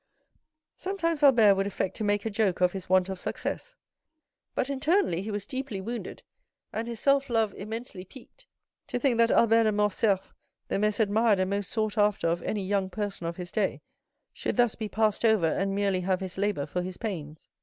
Sometimes Albert would affect to make a joke of his want of success; but internally he was deeply wounded, and his self love immensely piqued, to think that Albert de Morcerf, the most admired and most sought after of any young person of his day, should thus be passed over, and merely have his labor for his pains.